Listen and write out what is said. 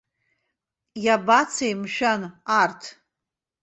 Иабацеи, мшәан, арҭ?